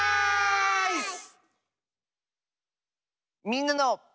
「みんなの」。